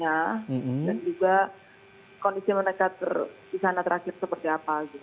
dan juga kondisi mereka di sana terakhir seperti apa